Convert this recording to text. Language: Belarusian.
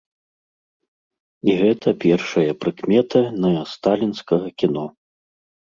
І гэта першая прыкмета нэасталінскага кіно.